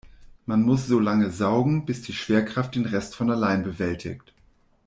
Man muss so lange saugen, bis die Schwerkraft den Rest von allein bewältigt.